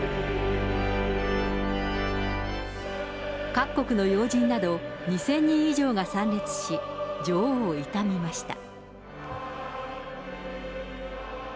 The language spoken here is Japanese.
各国の要人など、２０００人以上が参列し、女王を悼みました。